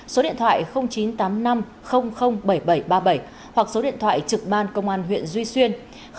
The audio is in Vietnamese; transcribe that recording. số điện thoại chín trăm tám mươi năm bảy nghìn bảy trăm ba mươi bảy hoặc số điện thoại trực ban công an huyện duy xuyên